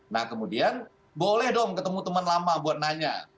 nah kemudian boleh dong ketemu teman lama buat nanya